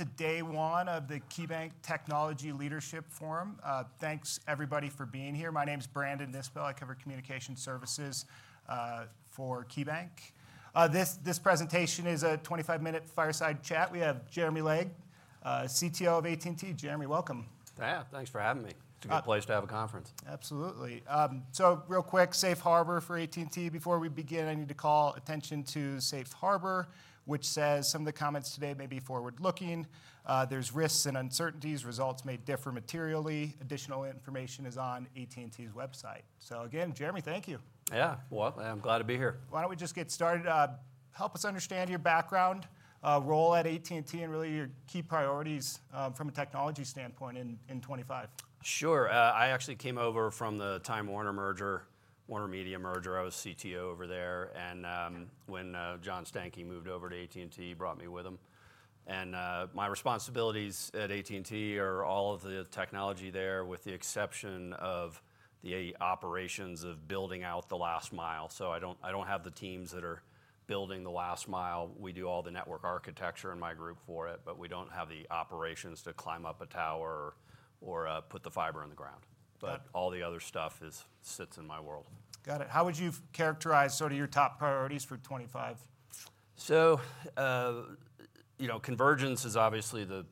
Welcome to day one of the KeyBanc Technology Leadership Forum. Thanks everybody for being here. My name is Brandon Nispel. I cover communication services for KeyBanc. This presentation is a 25-minute fireside chat. We have Jeremy Legg, CTO of AT&T. Jeremy, welcome. Yeah, thanks for having me. It's a good place to have a conference. Absolutely. Real quick, safe harbor for AT&T. Before we begin, I need to call attention to safe harbor, which says some of the comments today may be forward looking. There's risks and uncertainties. Results may differ materially. Additional information is on AT&T's website. Again, Jeremy, thank you. Yeah, I'm glad to be here. Why don't we just get started? Help us understand your background, role at AT&T, and really your key priorities from a technology standpoint in 2025. Sure. I actually came over from the Time Warner merger, WarnerMedia merger. I was CTO over there. When John Stankey moved over to AT&T, he brought me with him. My responsibilities at AT&T are all of the technology there, with the exception of the operations of building out the last mile. I don't have the teams that are building the last mile. We do all the network architecture in my group for it, but we don't have the operations to climb up a tower or put the fiber in the ground. All the other stuff sits in my world. Got it. How would you characterize sort of your top priorities for 2025? Convergence is obviously the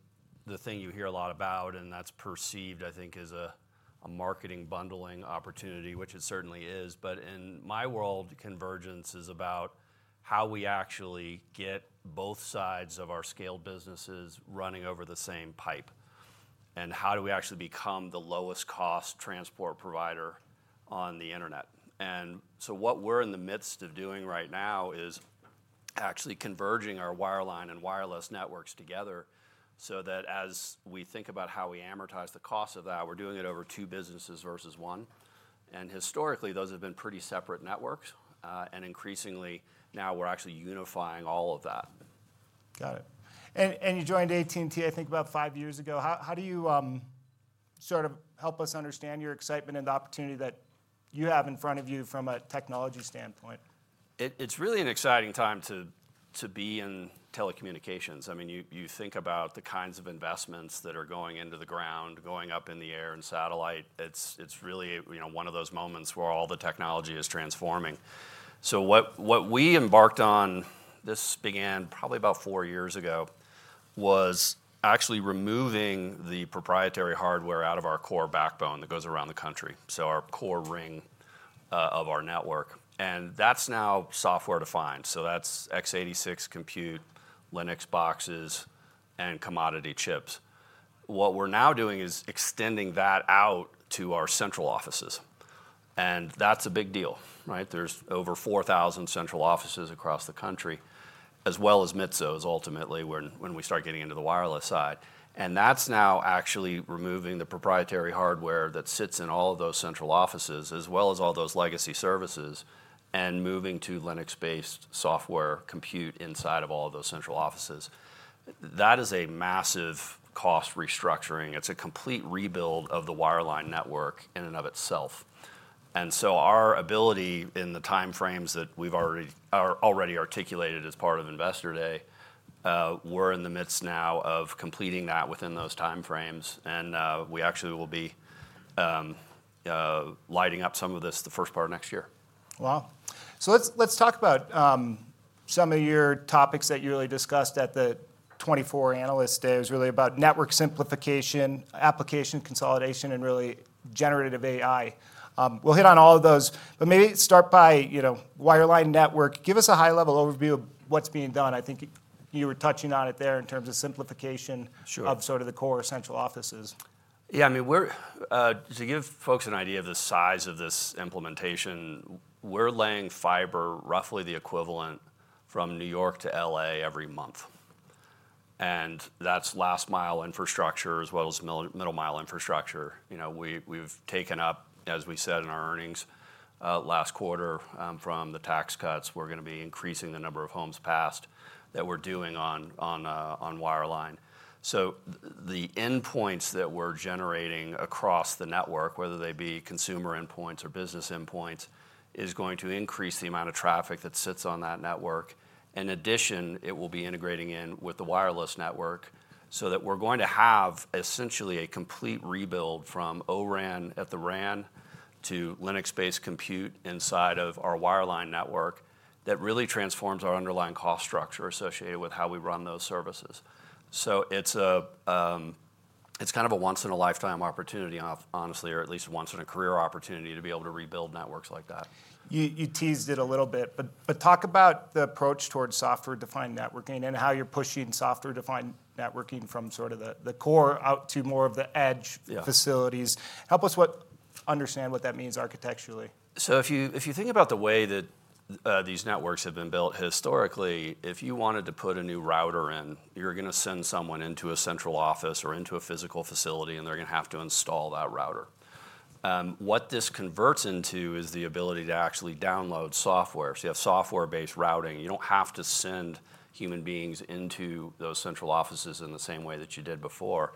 thing you hear a lot about, and that's perceived, I think, as a marketing bundling opportunity, which it certainly is. In my world, convergence is about how we actually get both sides of our scale businesses running over the same pipe. How do we actually become the lowest cost transport provider on the internet? What we're in the midst of doing right now is actually converging our wireline and wireless networks together so that as we think about how we amortize the cost of that, we're doing it over two businesses versus one. Historically, those have been pretty separate networks. Increasingly now, we're actually unifying all of that. Got it. You joined AT&T, I think, about five years ago. How do you sort of help us understand your excitement and the opportunity that you have in front of you from a technology standpoint? It's really an exciting time to be in telecommunications. I mean, you think about the kinds of investments that are going into the ground, going up in the air and satellite. It's really, you know, one of those moments where all the technology is transforming. What we embarked on, this began probably about four years ago, was actually removing the proprietary hardware out of our core backbone that goes around the country, so our core ring of our network. That's now software defined. That's x86 compute, Linux boxes, and commodity chips. What we're now doing is extending that out to our central offices. That's a big deal, right? There's over 4,000 central offices across the country, as well as mid zones ultimately when we start getting into the wireless side. That's now actually removing the proprietary hardware that sits in all of those central offices, as well as all those legacy services, and moving to Linux-based software compute inside of all of those central offices. That is a massive cost restructuring. It's a complete rebuild of the wireline network in and of itself. Our ability in the time frames that we've already articulated as part of Investor Day, we're in the midst now of completing that within those time frames. We actually will be lighting up some of this the first part of next year. Wow. Let's talk about some of your topics that you really discussed at the 2024 Analyst Day. It was really about network simplification, application consolidation, and really generative AI. We'll hit on all of those, but maybe start by, you know, wireline network. Give us a high-level overview of what's being done. I think you were touching on it there in terms of simplification of sort of the core central offices. Yeah, I mean, to give folks an idea of the size of this implementation, we're laying fiber roughly the equivalent from New York to L.A. every month. That's last mile infrastructure, as well as middle mile infrastructure. We've taken up, as we said in our earnings last quarter from the tax cuts, we're going to be increasing the number of homes passed that we're doing on wireline. The endpoints that we're generating across the network, whether they be consumer endpoints or business endpoints, is going to increase the amount of traffic that sits on that network. In addition, it will be integrating in with the wireless network so that we're going to have essentially a complete rebuild from O-RAN at the RAN to Linux-based compute inside of our wireline network that really transforms our underlying cost structure associated with how we run those services. It's kind of a once-in-a-lifetime opportunity, honestly, or at least a once-in-a-career opportunity to be able to rebuild networks like that. You teased it a little bit, but talk about the approach towards software-defined networking and how you're pushing software-defined networking from sort of the core out to more of the edge facilities. Help us understand what that means architecturally. If you think about the way that these networks have been built historically, if you wanted to put a new router in, you're going to send someone into a central office or into a physical facility, and they're going to have to install that router. What this converts into is the ability to actually download software. You have software-based routing. You don't have to send human beings into those central offices in the same way that you did before.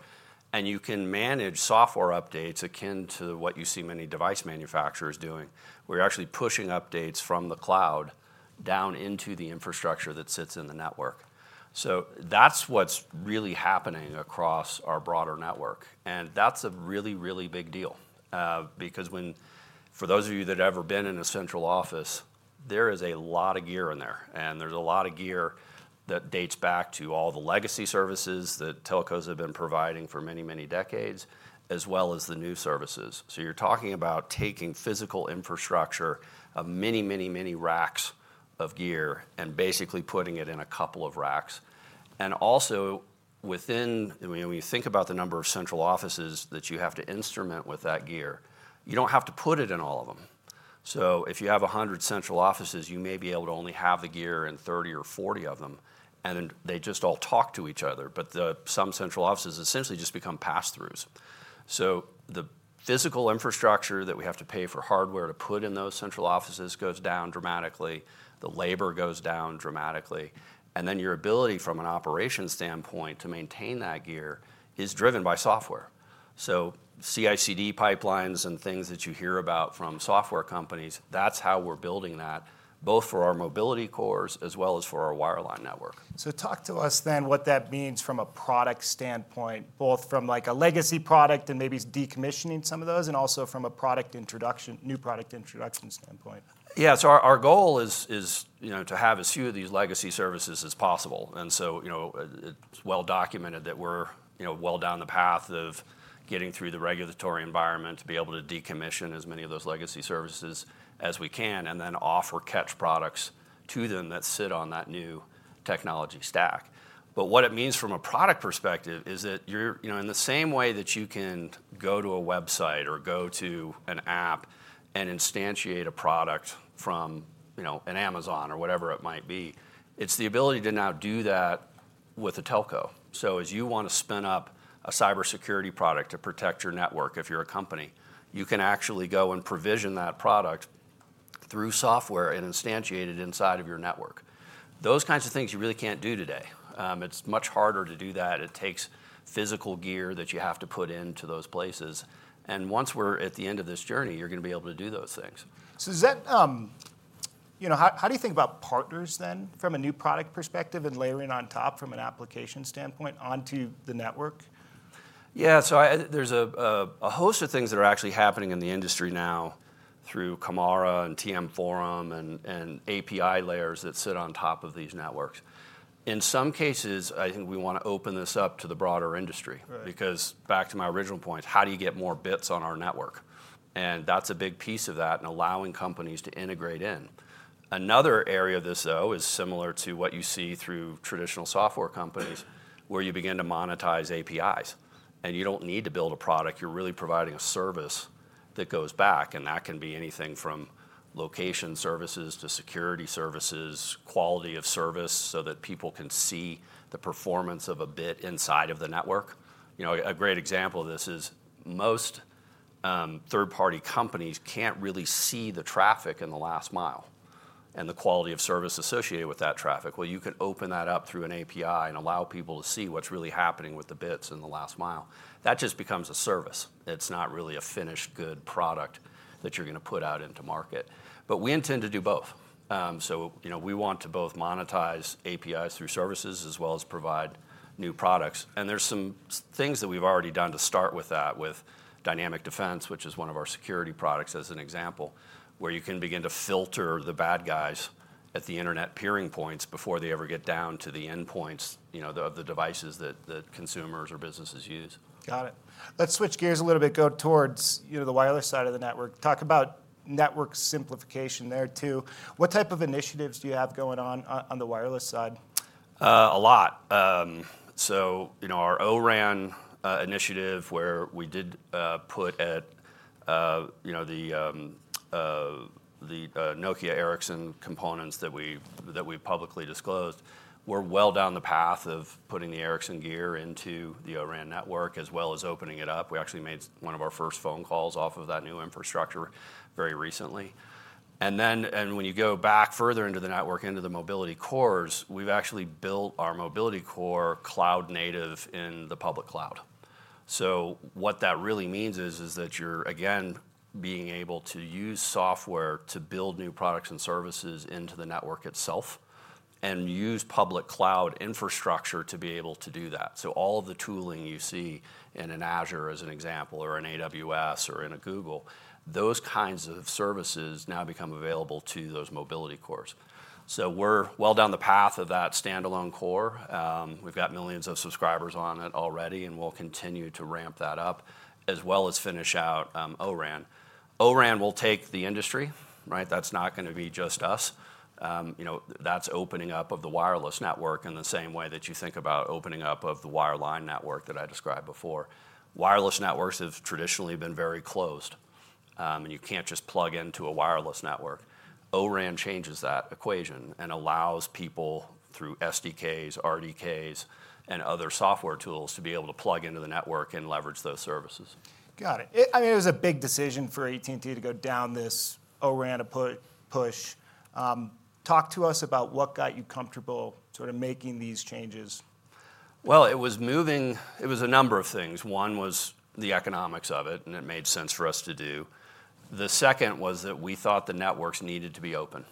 You can manage software updates akin to what you see many device manufacturers doing, where you're actually pushing updates from the cloud down into the infrastructure that sits in the network. That's what's really happening across our broader network, and that's a really, really big deal. For those of you that have ever been in a central office, there is a lot of gear in there. There's a lot of gear that dates back to all the legacy services that telcos have been providing for many, many decades, as well as the new services. You're talking about taking physical infrastructure of many, many, many racks of gear and basically putting it in a couple of racks. When you think about the number of central offices that you have to instrument with that gear, you don't have to put it in all of them. If you have 100 central offices, you may be able to only have the gear in 30 or 40 of them, and they just all talk to each other. Some central offices essentially just become pass-throughs. The physical infrastructure that we have to pay for hardware to put in those central offices goes down dramatically. The labor goes down dramatically, and then your ability from an operations standpoint to maintain that gear is driven by software. CI/CD pipelines and things that you hear about from software companies, that's how we're building that, both for our mobility cores as well as for our wireline network. Talk to us then what that means from a product standpoint, both from like a legacy product and maybe decommissioning some of those, and also from a product introduction, new product introduction standpoint. Yeah, our goal is to have as few of these legacy services as possible. You know it's well documented that we're well down the path of getting through the regulatory environment to be able to decommission as many of those legacy services as we can, and then offer catch products to them that sit on that new technology stack. What it means from a product perspective is that you're, in the same way that you can go to a website or go to an app and instantiate a product from, you know, an Amazon or whatever it might be, it's the ability to now do that with a telco. As you want to spin up a cybersecurity product to protect your network, if you're a company, you can actually go and provision that product through software and instantiate it inside of your network. Those kinds of things you really can't do today. It's much harder to do that. It takes physical gear that you have to put into those places. Once we're at the end of this journey, you're going to be able to do those things. How do you think about partners then from a new product perspective and layering on top from an application standpoint onto the network? Yeah, so there's a host of things that are actually happening in the industry now through CAMARA and TM Forum and API layers that sit on top of these networks. In some cases, I think we want to open this up to the broader industry because back to my original point, how do you get more bits on our network? That's a big piece of that and allowing companies to integrate in. Another area of this, though, is similar to what you see through traditional software companies where you begin to monetize APIs. You don't need to build a product. You're really providing a service that goes back, and that can be anything from location services to security services, quality of service so that people can see the performance of a bit inside of the network. A great example of this is most third-party companies can't really see the traffic in the last mile and the quality of service associated with that traffic. You can open that up through an API and allow people to see what's really happening with the bits in the last mile. That just becomes a service. It's not really a finished good product that you're going to put out into market. We intend to do both. We want to both monetize APIs through services as well as provide new products. There's some things that we've already done to start with that, with Dynamic Defense, which is one of our security products as an example, where you can begin to filter the bad guys at the internet peering points before they ever get down to the endpoints of the devices that consumers or businesses use. Got it. Let's switch gears a little bit, go towards, you know, the wireless side of the network. Talk about network simplification there too. What type of initiatives do you have going on on the wireless side? A lot. Our O-RAN initiative, where we did put at the Nokia, Ericsson components that we publicly disclosed, we're well down the path of putting the Ericsson gear into the O-RAN network as well as opening it up. We actually made one of our first phone calls off of that new infrastructure very recently. When you go back further into the network, into the mobility cores, we've actually built our mobility core cloud native in the public cloud. What that really means is that you're, again, being able to use software to build new products and services into the network itself and use public cloud infrastructure to be able to do that. All of the tooling you see in an Azure as an example, or an AWS, or in a Google, those kinds of services now become available to those mobility cores. We're well down the path of that standalone core. We've got millions of subscribers on it already, and we'll continue to ramp that up as well as finish out O-RAN. O-RAN will take the industry, right? That's not going to be just us. That's opening up of the wireless network in the same way that you think about opening up of the wireline network that I described before. Wireless networks have traditionally been very closed, and you can't just plug into a wireless network. O-RAN changes that equation and allows people through SDKs, RDKs, and other software tools to be able to plug into the network and leverage those services. Got it. I mean, it was a big decision for AT&T to go down this O-RAN push. Talk to us about what got you comfortable sort of making these changes. It was moving. It was a number of things. One was the economics of it, and it made sense for us to do. The second was that we thought the networks needed to be open.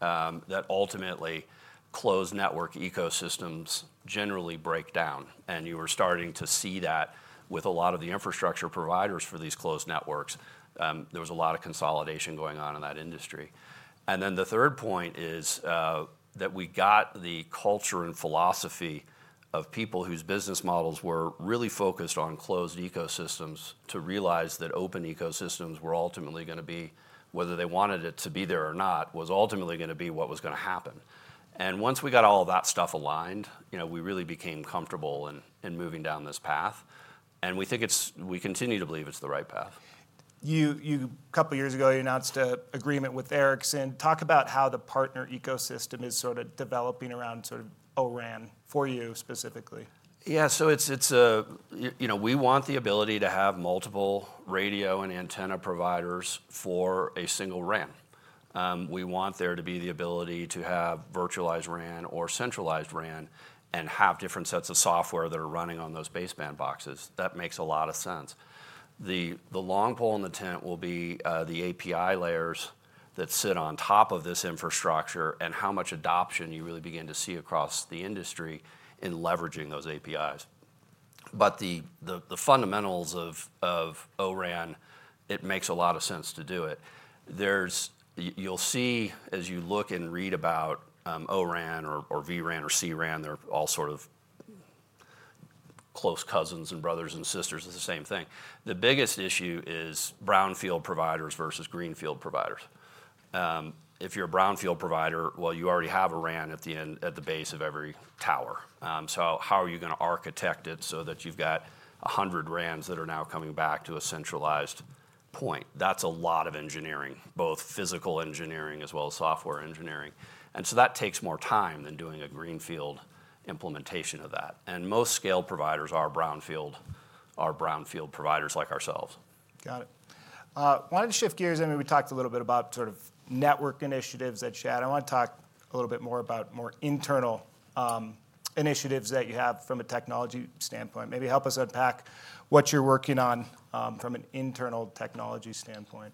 That ultimately closed network ecosystems generally break down, and you were starting to see that with a lot of the infrastructure providers for these closed networks. There was a lot of consolidation going on in that industry. The third point is that we got the culture and philosophy of people whose business models were really focused on closed ecosystems to realize that open ecosystems were ultimately going to be, whether they wanted it to be there or not, was ultimately going to be what was going to happen. Once we got all of that stuff aligned, you know, we really became comfortable in moving down this path. We think it's, we continue to believe it's the right path. A couple of years ago, you announced an agreement with Ericsson. Talk about how the partner ecosystem is developing around O-RAN for you specifically. Yeah, so it's a, you know, we want the ability to have multiple radio and antenna providers for a single RAN. We want there to be the ability to have virtualized RAN or centralized RAN and have different sets of software that are running on those baseband boxes. That makes a lot of sense. The long pole in the tent will be the API layers that sit on top of this infrastructure and how much adoption you really begin to see across the industry in leveraging those APIs. The fundamentals of O-RAN, it makes a lot of sense to do it. You'll see as you look and read about O-RAN or vRAN or C-RAN, they're all sort of close cousins and brothers and sisters of the same thing. The biggest issue is brownfield providers versus greenfield providers. If you're a brownfield provider, you already have a RAN at the base of every tower. How are you going to architect it so that you've got 100 RANs that are now coming back to a centralized point? That's a lot of engineering, both physical engineering as well as software engineering. That takes more time than doing a greenfield implementation of that. Most scale providers are brownfield providers like ourselves. Got it. I wanted to shift gears. I mean, we talked a little bit about sort of network initiatives that you had. I want to talk a little bit more about more internal initiatives that you have from a technology standpoint. Maybe help us unpack what you're working on from an internal technology standpoint.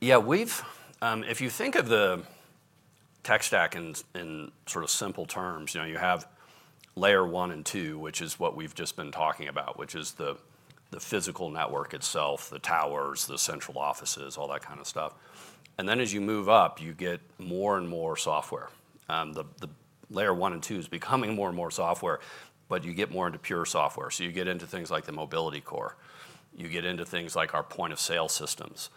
Yeah, if you think of the tech stack in sort of simple terms, you have layer one and two, which is what we've just been talking about, which is the physical network itself, the towers, the central offices, all that kind of stuff. As you move up, you get more and more software. The layer one and two is becoming more and more software, but you get more into pure software. You get into things like the mobility core, things like our point of sale systems,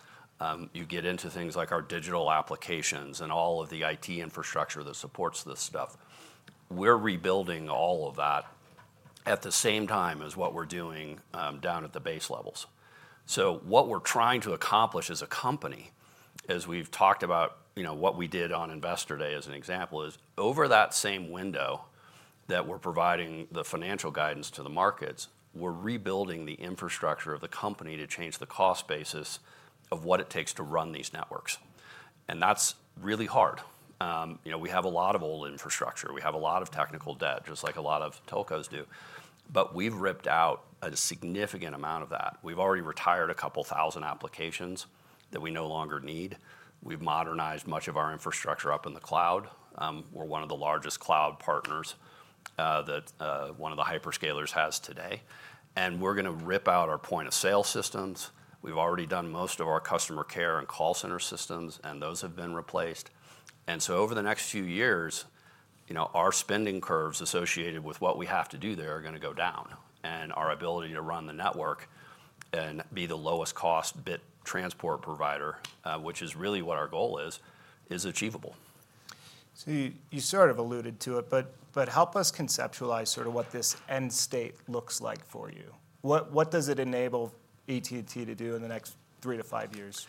our digital applications, and all of the IT infrastructure that supports this stuff. We're rebuilding all of that at the same time as what we're doing down at the base levels. What we're trying to accomplish as a company, as we've talked about, what we did on Investor Day as an example, is over that same window that we're providing the financial guidance to the markets, we're rebuilding the infrastructure of the company to change the cost basis of what it takes to run these networks. That's really hard. We have a lot of old infrastructure. We have a lot of technical debt, just like a lot of telcos do. We've ripped out a significant amount of that. We've already retired a couple thousand applications that we no longer need. We've modernized much of our infrastructure up in the cloud. We're one of the largest cloud partners that one of the hyperscalers has today. We're going to rip out our point of sale systems. We've already done most of our customer care and call center systems, and those have been replaced. Over the next few years, our spending curves associated with what we have to do there are going to go down. Our ability to run the network and be the lowest cost bit transport provider, which is really what our goal is, is achievable. You sort of alluded to it, but help us conceptualize what this end state looks like for you. What does it enable AT&T to do in the next three to five years?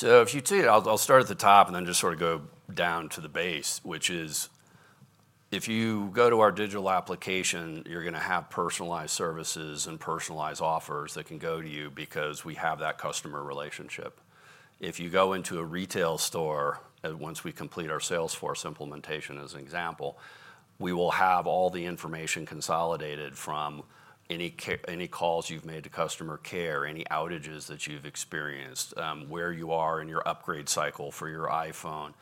If you take, I'll start at the top and then just sort of go down to the base, which is if you go to our digital application, you're going to have personalized services and personalized offers that can go to you because we have that customer relationship. If you go into a retail store, once we complete our Salesforce implementation as an example, we will have all the information consolidated from any calls you've made to customer care, any outages that you've experienced, where you are in your upgrade cycle for your iPhone,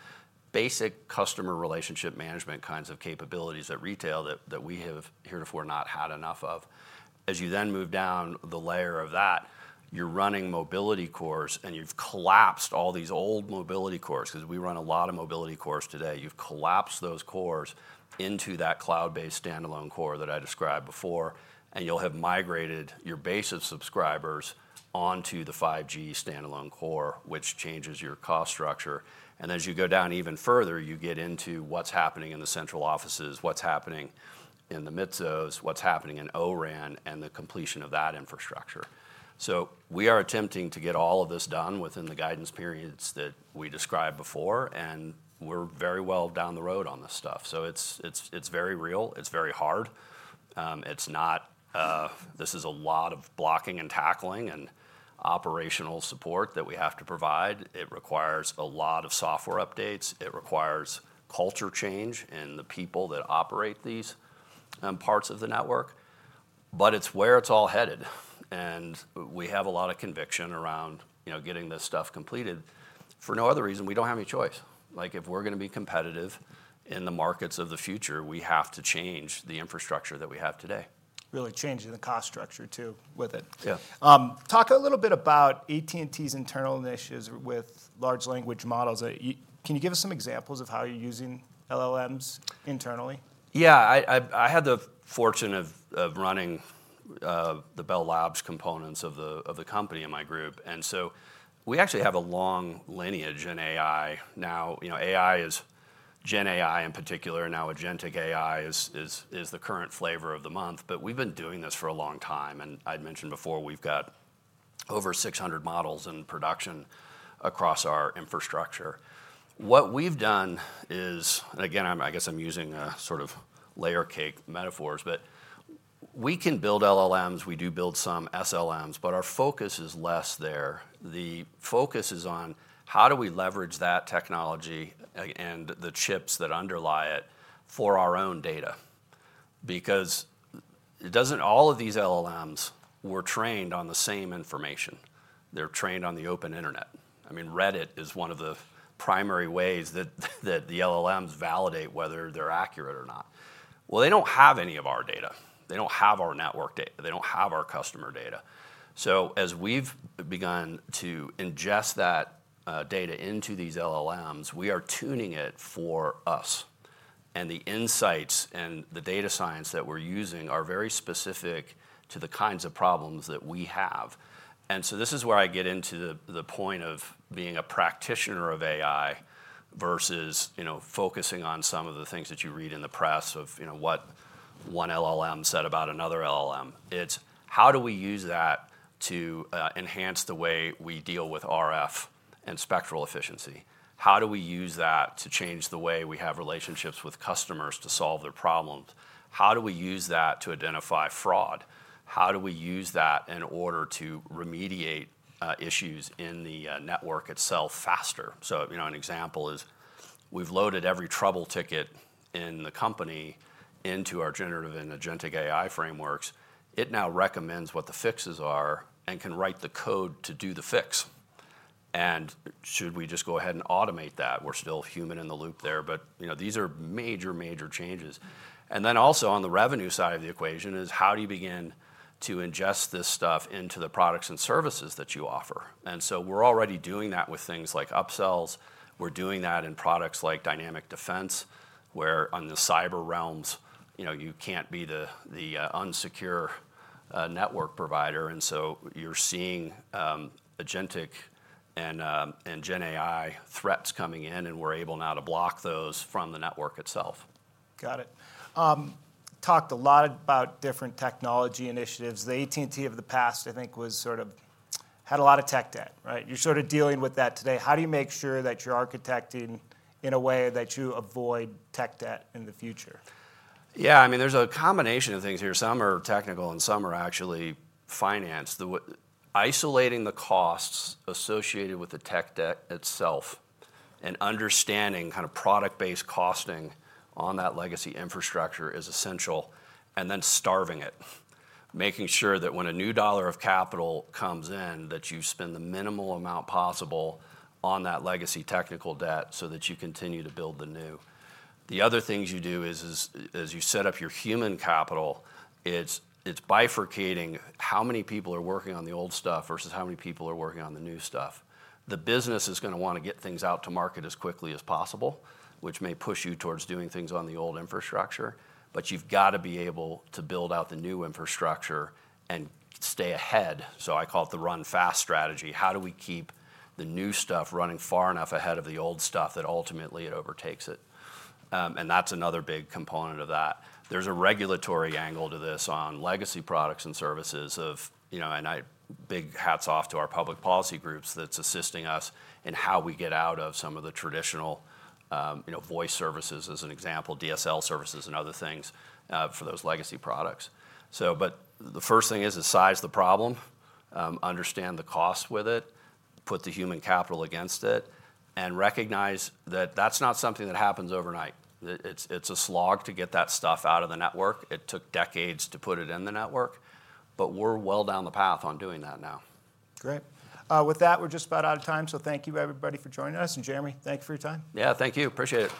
basic customer relationship management kinds of capabilities that retail that we have heretofore not had enough of. As you then move down the layer of that, you're running mobility cores and you've collapsed all these old mobility cores because we run a lot of mobility cores today. You've collapsed those cores into that cloud-based standalone core that I described before, and you'll have migrated your basis subscribers onto the 5G standalone core, which changes your cost structure. As you go down even further, you get into what's happening in the central offices, what's happening in the mid zones, what's happening in O-RAN, and the completion of that infrastructure. We are attempting to get all of this done within the guidance periods that we described before, and we're very well down the road on this stuff. It's very real. It's very hard. This is a lot of blocking and tackling and operational support that we have to provide. It requires a lot of software updates. It requires culture change in the people that operate these parts of the network. It's where it's all headed. We have a lot of conviction around getting this stuff completed for no other reason. We don't have any choice. If we're going to be competitive in the markets of the future, we have to change the infrastructure that we have today. Really changing the cost structure too with it. Yeah. Talk a little bit about AT&T's internal initiatives with large language models. Can you give us some examples of how you're using LLMs internally? Yeah, I had the fortune of running the Bell Labs components of the company in my group. We actually have a long lineage in AI. Now, you know, AI is GenAI in particular, and now agentic AI is the current flavor of the month. We've been doing this for a long time. I'd mentioned before we've got over 600 models in production across our infrastructure. What we've done is, and again, I guess I'm using sort of layer cake metaphors, but we can build LLMs. We do build some SLMs, but our focus is less there. The focus is on how do we leverage that technology and the chips that underlie it for our own data. Because all of these LLMs were trained on the same information. They're trained on the open internet. Reddit is one of the primary ways that the LLMs validate whether they're accurate or not. They don't have any of our data. They don't have our network data. They don't have our customer data. As we've begun to ingest that data into these LLMs, we are tuning it for us. The insights and the data science that we're using are very specific to the kinds of problems that we have. This is where I get into the point of being a practitioner of AI versus, you know, focusing on some of the things that you read in the press of, you know, what one LLM said about another LLM. It's how do we use that to enhance the way we deal with RF and spectral efficiency? How do we use that to change the way we have relationships with customers to solve their problems? How do we use that to identify fraud? How do we use that in order to remediate issues in the network itself faster? An example is we've loaded every trouble ticket in the company into our generative and agentic AI frameworks. It now recommends what the fixes are and can write the code to do the fix. Should we just go ahead and automate that? We're still human in the loop there, but these are major, major changes. Also on the revenue side of the equation is how do you begin to ingest this stuff into the products and services that you offer? We're already doing that with things like upsells. We're doing that in products like Dynamic Defense, where on the cyber realms, you know, you can't be the unsecure network provider. You're seeing agentic and GenAI threats coming in, and we're able now to block those from the network itself. Got it. Talked a lot about different technology initiatives. The AT&T of the past, I think, was sort of had a lot of tech debt, right? You're sort of dealing with that today. How do you make sure that you're architecting in a way that you avoid tech debt in the future? Yeah, I mean, there's a combination of things here. Some are technical and some are actually financed. Isolating the costs associated with the technical debt itself and understanding kind of product-based costing on that legacy infrastructure is essential, and then starving it. Making sure that when a new dollar of capital comes in, that you spend the minimal amount possible on that legacy technical debt so that you continue to build the new. The other things you do is, as you set up your human capital, it's bifurcating how many people are working on the old stuff versus how many people are working on the new stuff. The business is going to want to get things out to market as quickly as possible, which may push you towards doing things on the old infrastructure. You've got to be able to build out the new infrastructure and stay ahead. I call it the run fast strategy. How do we keep the new stuff running far enough ahead of the old stuff that ultimately it overtakes it? That's another big component of that. There's a regulatory angle to this on legacy products and services, and big hats off to our public policy groups that's assisting us in how we get out of some of the traditional voice services as an example, DSL services and other things for those legacy products. The first thing is to size the problem, understand the cost with it, put the human capital against it, and recognize that that's not something that happens overnight. It's a slog to get that stuff out of the network. It took decades to put it in the network. We're well down the path on doing that now. Great. With that, we're just about out of time. Thank you, everybody, for joining us. Jeremy, thank you for your time. Yeah, thank you. Appreciate it.